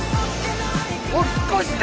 お引っ越しだ！